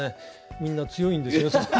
みんな強いんですよ。